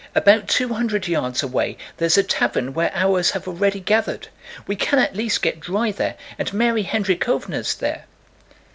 About two hundred yards away there's a tavern where ours have already gathered. We can at least get dry there, and Mary Hendríkhovna's there."